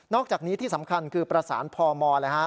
อกจากนี้ที่สำคัญคือประสานพมเลยฮะ